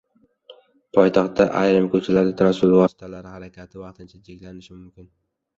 Poytaxtda ayrim ko‘chalarda transport vositalari harakati vaqtincha cheklanishi mumkin